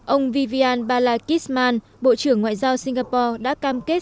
ông vivian balakisman bộ trưởng ngoại giao singapore